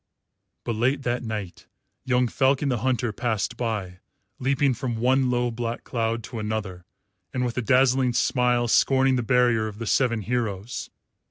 But late that night young Falcon the Hunter passed by, leaping from one low black cloud to another, and with a dazzling smile scorning the barrier of the seven heroes.